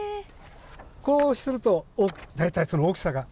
こうすると大体その大きさが。